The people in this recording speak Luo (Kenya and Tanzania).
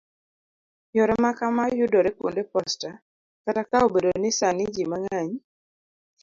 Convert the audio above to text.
yore ma kamaa yudore kwonde posta, kata ka obedo ni sani ji mang'eny